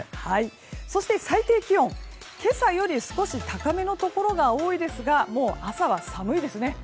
そして最低気温、今朝より少し高めのところが多いですがもう朝は寒いですね。